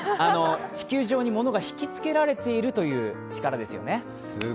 地球上に物が引きつけられているという力ですよね。